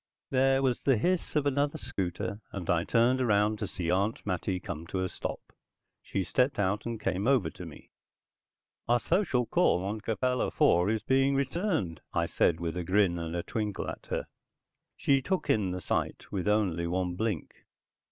There was the hiss of another scooter, and I turned around to see Aunt Mattie come to a stop. She stepped out and came over to me. "Our social call on Capella IV is being returned," I said with a grin and twinkle at her. She took in the sight with only one blink.